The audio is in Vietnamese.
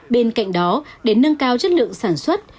bên cạnh đó để nâng cao chất lượng sản xuất